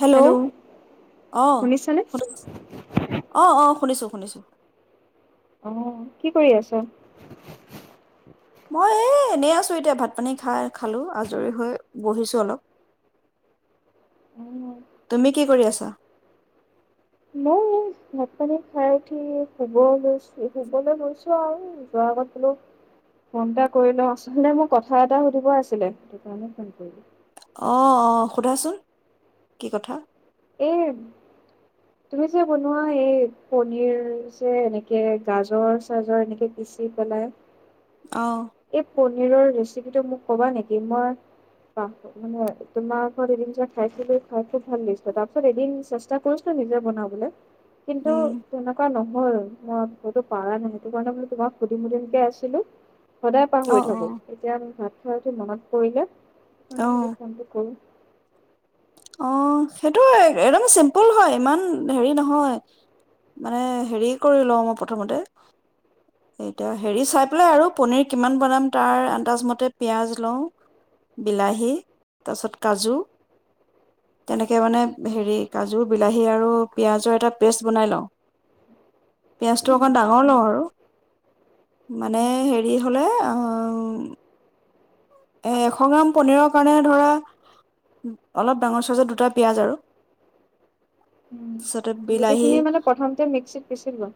Hello, অ। শুনিছানে? [unintelligible] অ অ শুনিছোঁ। শুনিছো অ', কি কৰি আছ'? মই এ এনেই আছোএতিয়া ভাত পানী খাই খালো, আজৰি হৈ বহিছো অলপ। তুমি কি কৰি আছা? মই ভাত পানী খাই উঠি শুব লৈছো শুবলৈ লৈছো আৰু যোৱাৰ আগত বোলো ফোন এটা কৰি লওঁ আচলতে মোক কথা এটা সুধিব আছিলে সেইটো কাৰণে ফোন কৰিলো। অ অ সোধাচোন কি কথা। এ, তুমি যে বনোৱা এই পনীৰ যে এনেকে গাজৰ চাজৰ এনেকে পিচি পেলাই অ'। পনীৰৰ ৰেচিপি টো মোক ক'বা নেকি? মই [unintelligible] তোমাৰ ঘৰত এদিন যে খাইছিলো, খাই খুব ভাল [unintelligible] তাৰপাছত এদিন চেষ্টা কৰিছিলোঁ নিজে বনাবলৈ। কিন্তু উম তেনেকুৱা নহয় ও, মই এইটো‌ পাৰা নাই, সেইটো কাৰণে বুলো তোমাক সুধিম সুধিমকে আছিলো। সদায় অ পাহৰি অ থাকো, এতিয়া [unintelligible] মনত পৰিলে অ আ চন্দ ক অ', সেইটো একদম চিম্পুল হয় ইমান হেৰি নহয় মানে হেৰি কৰি লওঁ মই প্ৰথমতে এতিয়া হেৰি চাই পেলাই আৰু পনীৰ কিমান বনাম তাৰ আন্দাজমতে পিঁয়াজ লওঁ, বিলাহী তাৰপিছত কাজু। তেনে এ মানে হেৰি কাজু, বিলাহী আৰু পিয়াজৰ এটা পেষ্ট বনাই লওঁ। পিয়াজটো অকণ ডাঙৰ লওঁ আৰ ঔ। মানে হেৰি হলে অ উ এ, এশ গ্ৰাম পনীৰৰ কাৰণে ধৰা অলপ ডাঙৰ চাইজৰ দুটা পিয়াজ আৰু। তাৰপিছতে বিলাহী গোটেইখিনি মানে প্ৰথমতে মিক্সিত পিচি লোৱা?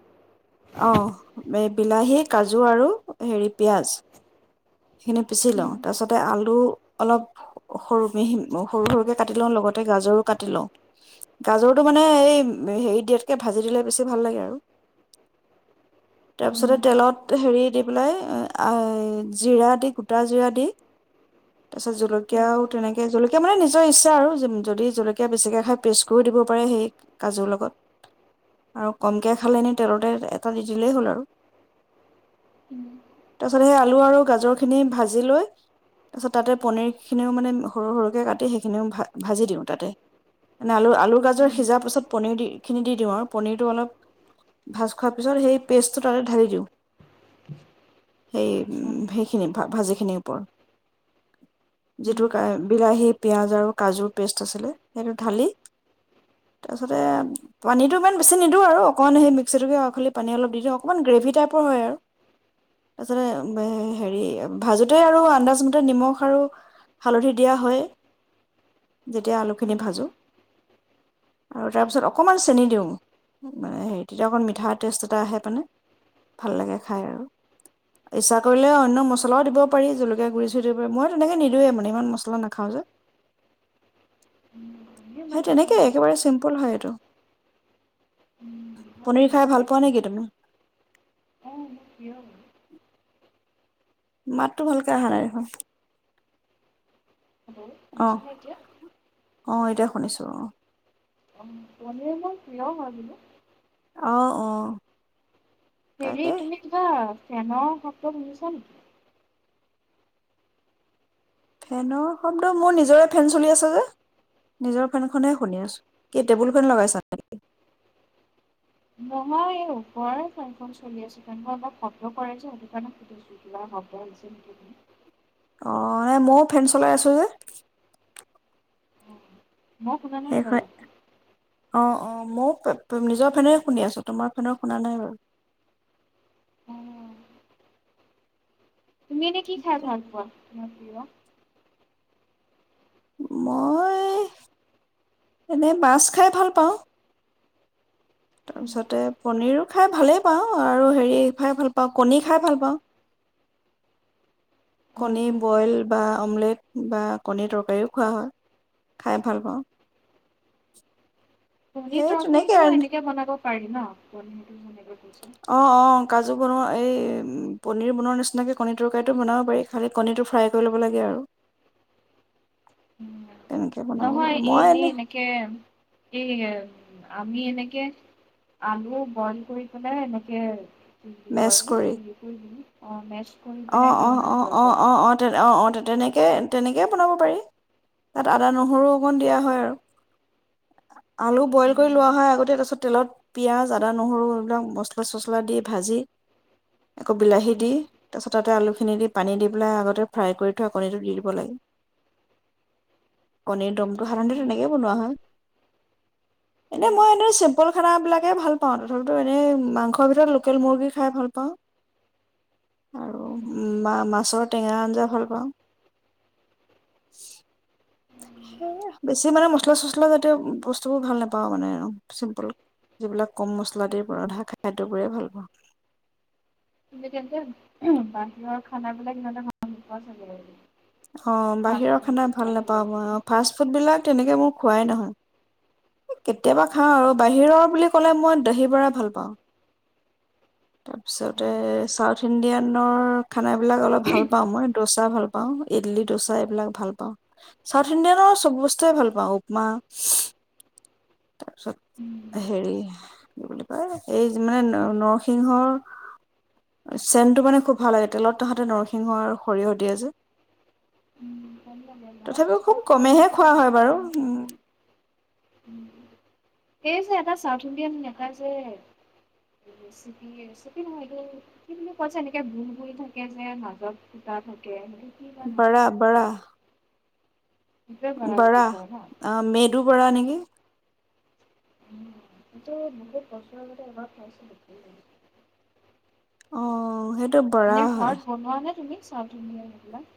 অ বিলাহী, কাজু আৰু হেৰি পিঁয়াজ। সেইখিনি পিচি লওঁ। তাৰপিছতে আলু অলপ সৰু মিহি সৰু সৰুকৈ কাটি লওঁ লগতে গাজৰো কাটি লওঁ, গাজৰটো মানে এই হেৰি দিয়াতকে ভাজি দিলে বেছি ভাল লাগে আৰু তাৰপিছতে তেলত হেৰি দি পেলাই জিৰা দি গোটা জিৰা দি তাছত জলকীয়াও তেনেকে জলকীয়া মানে নিজৰ ইচ্ছা আৰু, য যদি জলকীয়া বেছিকে খায়, পেষ্ট কৰিও দিব পাৰে হেই কাজুৰ লগত। আৰু কমকে খালে এনে তেলতে এটা দি দিলেই হ'ল আৰু। তাছত সেই আলু আৰু গাজৰ খিনি ভাজি লৈ তাৰপিছত তাতে পনীৰখিনিও মানে সৰু সৰুকে কাটি সেইখিনিও ভা ভাজি দিওঁ তাতে মানে আলু আলুৰ গাজৰ সিজাৰ পিছত পনিৰ দি খিনি দি দিওঁ আৰু পনীৰটো অলপ ভাজ খোৱাৰ পিছত সেই পেষ্টটো তাতে ঢালি দিওঁ সেই আমিও সেইখিনি ভাজিখিনিৰ ওপৰত। যিটো কা বিলাহী, পিঁয়াজ আৰু কাজুৰ পেষ্ট আছিলে, সেইটো ঢালি, তাৰপিছতে পানীটো ইমান বেছি নিদিওঁ আৰু অকণ সেই মিক্সিটোেকে‌ আওখালি পানী অলপ দি দিওঁ, অকমান গ্ৰেভি টাইপৰ হয় আৰু। তাছতে হে হেৰি ভাজোঁতে আৰু আন্দাজ [unintelligible] নিমখ আৰু হালধী দিয়া হয়, যেতিয়া আলু খিনি ভাঁজো। আৰু তাৰপিছত অকণমান চেনি দিওঁ, মানে হেৰি তেতিয়া অকণ মিঠা টেষ্ট এটা আহে মানে, ভাল লাগে খাই আৰু। ইচ্ছা কৰিলে অন্য মছলাও দিব পাৰি জলকীয়া গুড়ি [unintelligible] মই তেনেকে নিদোয়ে মানে ইমান মস মই নাখাঁও যে, ইমান সেই তেনেকে নাখাওঁ বাৰু একেবাৰে চিম্পুল হয় এইটো। ভাল পনীৰ খাই লাগিছিলে ভাল পোৱা নেকি তুমি? মুখিম [unintelligible] মাতটো ভালকে অহা নাই দেখোন। হেল্ল', শুনিছা নে এতিয়া। অ' এতিয়া শুনিছোঁ অ। অ' পনীৰ মোৰ প্ৰিয় হয় বোলো। অ' অ'। হেৰি তাকে তুমি কিবা ফেনৰ শব্দ শুনিছা নেকি? ফেনৰ শব্দ মোৰ নিজৰে ফেন চলি আছে যে নিজৰ ফেনখনেহ শুনি আছো কি টেবুলখনন লগাইছা নেকি? নহয় এই ওপৰৰ ফেনখন চলি আছে কেন্ত মই অলপ শব্দ কৰেই যে সেইটো কাৰণে সুধিছো কিবা শব্দ আহিছে নেকি। অ' ময়ো ফেন্ চলাই আছো যে অ', মই শুনা নাই বাৰু। মই নিজৰ ফেনেৰে শুনি আছো তোমাৰ ফেনৰ শুনা নাই বাৰু অ', তুমি এনে কি খাই ভাল পোৱা? ন পা [unintelligible] মই এনে মাছ খাই ভাল পাওঁ। তাৰ পিছতে পনিৰো খাই ভালেই পাওঁ আৰু হেৰি খাই ভাল পাওঁ, কণী খাই ভাল পাওঁ। কণী বইল বা অমলেট বা কণীৰ তৰকাৰীও খোৱা হয়, খাই ভাল পাওঁ। কনী সেই তেনেকে টকাৰীটো আৰু এনেকে বনাব পাৰি ন প সেইটো অ অ কাজু বনোৱা এই পনীৰ বনোৱাৰ নিচিনাকৈ কণীৰ তৰকাৰীটো বনাব পাৰি খালী কণীটো ফ্ৰাই কৰি ল'ব লাগে আৰু। উ' তেনেকে বনাব পাৰি নহয় এ মই এনেই এনে এনেকে এ আমি এনেকে আলু বইল কৰি পেলাই এনেকে ব অ মে [unintelligible] অ-অ-অ-অ-অ-অ। অঁ' তেনেকে-তেনেকে বনাব পাৰি তাত আদা নহৰু অকণ দিয়া হয় আৰু। আলু বইল কৰি লোৱা উম, হয় আগতে তাৰপিছত তেলত পিঁয়াজ আদা-নহৰু এইবিলাক মচলা চচলা দি ভাজি আকৌ বিলাহী উম, দি, ততে আলুখিনি দি পানী দি পেলাই আগতে ফ্ৰাই কৰি থোৱা কণীটো দি দিব লাগে কণীৰ দমটো উম, সাধাৰণতে উম। তেনেকেই বনোৱা হয় এনে মই তুমি এদ চিম্পুল খানাবিলাকে ভাল পাওঁ। তথাপিতো এনেই মাংসৰ ভিতৰত লোকেল মুৰ্গী খাই ভাল পাওঁ। আৰু মাছৰ টেঙা আঞ্জা ভাল পাওঁ। সেই বেছি মানে মচলা চচলা জাতীয় বস্তুবোৰ ভাল নাপাওঁ মানে আৰু চিম্পুল যিবিলাক কম মছলা দ পৰা ৰধা খাদ্যবোৰেই ভাল পাওঁ। কিন্তু তেন্তে বাহিৰৰ খানাবিলাক সিহঁতোৱা চাগে অ', ফাষ্ট বাহিৰৰ ফুড খানা ভাল এইবিলাক কিবা নাপাওঁ মই, কিবি। অ', ফাষ্ট ফুড বিলাক তেনেকে মোৰ খোৱাই নহয়। কেতিয়াবা খাওঁ আৰু বাহিৰৰ বুলি কলে মই দহি বৰা ভাল পাওঁ। তাৰপিছতে ছাউথ ইণ্ডিয়ানৰ খানাবিলাক অলপ ভাল পাওঁ মই দচা ভাল পাওঁ, ইডলি দচা এইবিলাক ভাল পাওঁ চাউথ উথ ইণ্ডিয়ানৰ চব বস্তুৱে ভাল পাওঁ। উপমা। তাৰপিছত হেৰি কি বুলি কয় এই মানে নৰসিংহৰ চেনটো মানে খুব ভাল লাগে তেলত তাহাতে নৰসিংহ আৰু সৰিয়হ দিয়ে যে। ভাল লাগে ন তথাপিও খুব চব ভাল কমেইহে নাপাও। খোৱা হয় বাৰু উম, সেই যে এটা চাউথ ইণ্ডিয়ান এটা যে, ৰেচিপি ৰেচিপি নহয় এইটো কি বুলি কৈছে যে, এনেকে গোল গোল থাকে যে মাজত ফুটা থাকে কি বা নামটো বাৰা বাৰা? সেইটোৱে বুলি বৰা। কয় ন? অ', মেদু বৰা নেকি এইটো বহুত বছৰ আগতে এবাৰ খাইছিলো। অ', অ', সেই এনে ঘৰত বনোৱা নে তুমি? চাউথ ইণ্ডিয়ান এইবিলাক?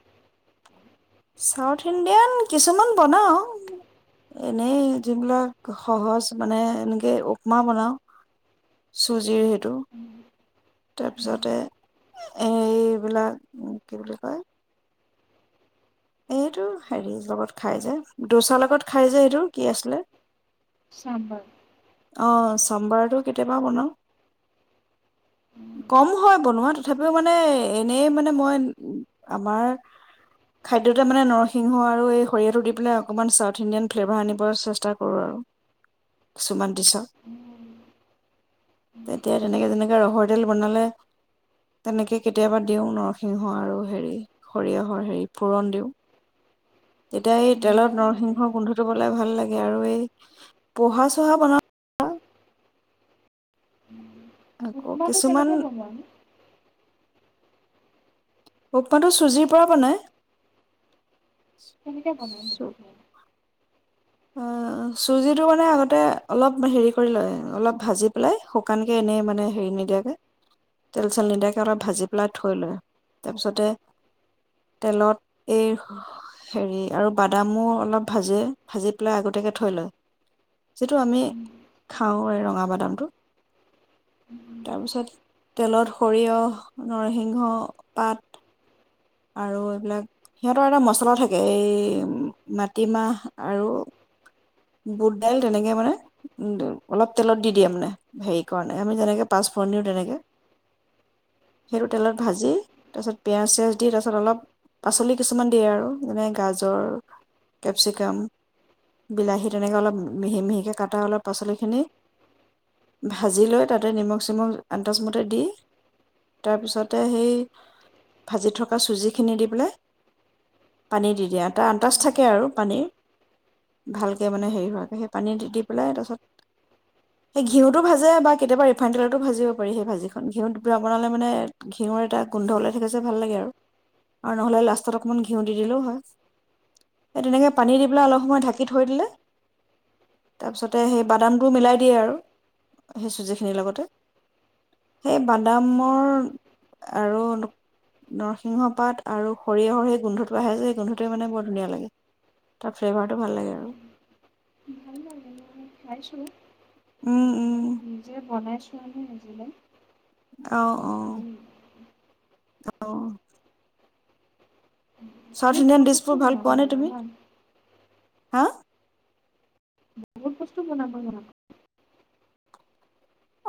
চাউথ ইণ্ডিয়ান কিছুমান বনাওঁ এনেই যিবিলাক সহজ মানে এনেকৈ উপপমা বনাওঁ চুজিৰ সেই টো এইবিলাক? তাৰ পিছতে এইবিলাক কি বুলি কয়? এইটো হেৰি লগত খাই যে দোচাৰ লগত খাই যে এইটো কি আছিলে? শামবাড় অ', চম্বাৰটো কেতিয়াবা বনাওঁ।। কম হয় বনোৱা তথাপিও মানে এনেই মানে মই আমাৰ খাদ্যতে মানে নৰসিংহ আৰু এই সৰিয়হটো দি পেলাই অকণমান চাউথ ইণ্ডিয়ান ফ্লেভাৰ আনিব চেষ্টা কৰোঁ আৰু কিছুমান [unintelligible] তেতিয়া তেনেকে তেনেকে ৰহৰ বনালে তেনেকে কেতিয়াবা দিওঁ নৰসিংহ আৰু হেৰি সৰিয়হৰ হেৰি ফুৰণ দিওঁ। তেতিয়া এই তেলত ভাল লাগে নৰসিংহ গোন্ধটো পেলাই ভাল লাগে আৰু এই পহা চহা বনাওঁ আকৌ উপমাটো কিছুমান কেনেকে বনোৱানো উপমাটো চুজিৰ পৰা বনাই। কেনেকে বনাই? [unintelligible] আ চুজিটো মানে আগতে অলপ হেৰি কৰি লয় অলপ ভাজি পেলাই শুকানকে এনেই মানে হেৰি নিদিয়াকে তেল চেল নিদিয়াকে অলপ ভাজি পেলাই থৈ লয় তাৰপিছতে তেলত এই হেৰি আৰু বাদামো অলপ ভাজে ভাজি পেলাই আগতিয়াকৈ থৈ লয় যিটো আমি খাওঁ এই ৰঙাবাদামটো তাৰপিছত তেলত সৰিয়হ নৰসিংহ পাত আৰু এইবিলাক, সিহঁতৰ এটা মছলা থাকে এই মাটিমাহ আৰু বুট দাইল তেনেকে মানে অলপ তেলত দি দিয়ে মানে হেৰি কাৰণে আমি যেনেকে পাচফোৰণ দিওঁ তেনেকে। সেইটো তেলত ভাজি তাৰপিছত পিঁয়াজ চিয়াজ দি তাৰপিছত অলপ পাচলি কিছুমান দিয়ে আৰু যেনে গাজৰ, কেপচিকাম, বিলাহী তেনেকৈ অলপ মিহি মিহিকৈ কাটা অলপ পাচলিখিনি ভাজি লৈ তাতে নিমখ চিমখ আন্তাজমতে দি, তাৰপিছতে সেই ভাজি থকা চুজিখিনি দি পেলাই পানী দি দিয়া তাৰ আন্তাজ থাকে আৰু পানীৰ ভা মানে [unintelligible] সেই পানী দি দি পেলাই তাৰপাছত সেই ঘিউটো ভাজে বা কেতিয়াবা ৰিফাইন তেলতো ভাজিব পাৰি সেই ভাজিখন ঘিউ দি পেলাই বনালে মানে ঘিউৰ এটা গোন্ধ ওলাই থাকে যে ভাল লাগে আৰু আৰু নহ'লে লাষ্টত অকণমান ঘিউ দি দিলেও হয়। সেই তেনেকৈ পানী দি পেলাই অলপ সময় ঢাকি থৈ দিলে তাৰপিছতে সেই বাদামটোও মিলাই দিয়ে আৰু সেই চুজিখিনিৰ লগতে। সেই বাদামৰ আৰু নৰসিংহ পাত আৰু সৰিয়হৰ সেই গোন্ধটো আহে যে সেই গোন্ধটোৱে মানে বৰ ধুনীয়া লাগে তাৰ ফ্লেভাৰটো ভাল লাগে আৰু। ভাল লাগে [inaudible] উম। উম নিজে বনাইছো। অ [inaudible] [inaudible] অ'। চাউথ তুমি ইণ্ডিয়ান বহুত বস্তু ডিছবোৰ ভাল বনাব পোৱা নে তুমি? জানা ন হা? বহুত বস্তু বনাব জানা?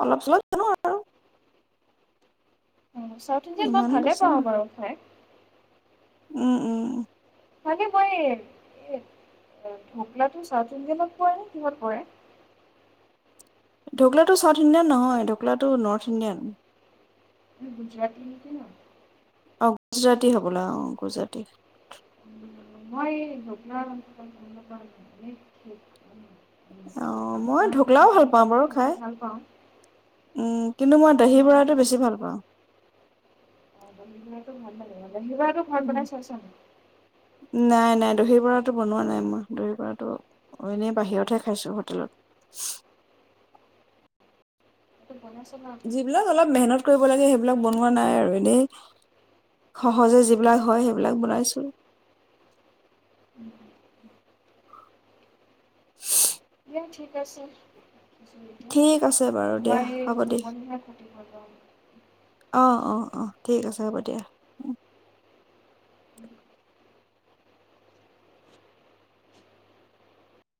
অলপ চলপ জানো আৰু। চাউথ ইণ্ডিয়ান মই ইমান ভালে বেছি ন পাওঁ বাৰু খাই। উম উম উম। ভাগে মই এ ঢকললাটো চাউথ ইণ্ডিয়ানত পৰে নে কিহঁত পৰে? ঢকলাটো চাউথ ইণ্ডিয়ান নহয় ঢকলোাটো নৰ্থ ইণ্ডিয়ান। গুজৰাট কি? অ' গুজৰাটী হ'বলা অ' গুজৰাটী। উম। মই [unintelligible] অ' মই আফগান কি ঢকলাও ভাল বুলি পাওঁ কয় যে বাৰু সেইটো খাই, ভাল পাওঁ কিন্তু মই দহি ইমান বৰাটো বেছি ভাল পাওঁ। সেইটো ভাল লাগে অ'। [unintelligible] ঘৰত উম, বনাই চাইছ? নাই নাই দহি বৰাটো বনোৱা নাই মই দহি বৰাটো এনেই বাহিৰতহে খাইছো হোটেলত। সেইটো বনাই চাবা আকৌ যিবিলাক অলপ মেহনত কৰিব লাগে সেইবিলাক বনোৱা নাই আৰু এনেই সহজে যিবিলাক হয় সেইবিলাক বনাইছো। উম। দিয়া ঠিক আছে। ৰাখিছোঁ এতিয়া ঠিক আছে বাৰু দিয়া মই এই হব দিয়া টোপনিহে ক্ষতি কৰিব অ' অ' অ'। ঠিক আছে হ'ব দিয়া। [inaudible]